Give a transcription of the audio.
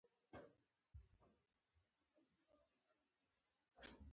د ځمکې قشر د کانونو ځای دی.